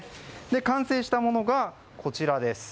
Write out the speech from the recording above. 完成したものがこちらです。